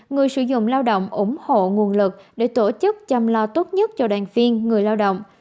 người sử dụng lao động ủng hộ nguồn lực để tổ chức chăm lo tốt nhất cho đoàn viên người lao động